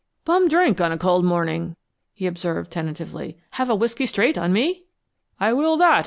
"Bum drink on a cold morning," he observed tentatively. "Have a whisky straight, on me?" "I will that!"